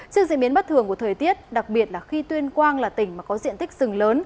trước diễn biến bất thường của thời tiết đặc biệt là khi tuyên quang là tỉnh mà có diện tích rừng lớn